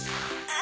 あ！